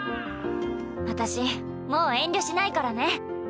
私もう遠慮しないからね。